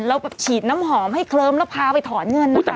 แล้วฉีดน้ำหอมให้เคลิมแล้วพาไปถอนเงินนะคะ